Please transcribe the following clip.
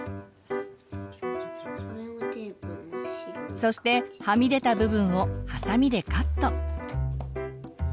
そしてはみ出た部分をハサミでカット。